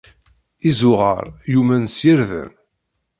Izuɣar, ɣummen s yirden.